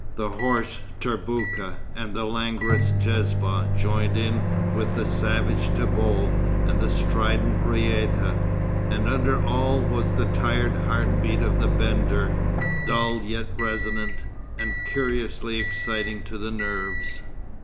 The hoarse derbouka, and the languorous ghesbah joined in with the savage tobol and the strident raïta; and under all was the tired heart beat of the bendir, dull yet resonant, and curiously exciting to the nerves.